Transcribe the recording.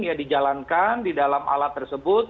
ya dijalankan di dalam alat tersebut